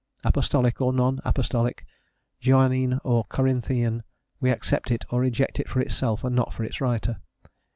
Apostolic or non apostolic, Johannine or Corinthian, we accept it or reject it for itself, and not for its writer.